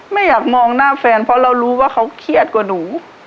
ไม่อยากมองหน้าแฟนเพราะเรารู้ว่าเขาเครียดกว่าหนู